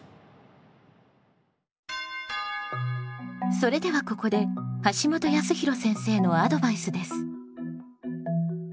それではここで橋本康弘先生のアドバイスです。